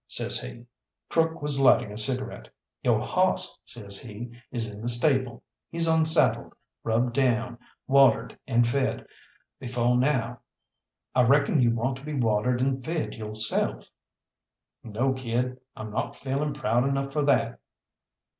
says he. Crook was lighting a cigarette. "Yo' hawss," says he, "is in the stable. He's unsaddled, rubbed down, watered and fed, befo' now. I reckon you want to be watered and fed yo'self." "No, kid, I'm not feeling proud enough for that."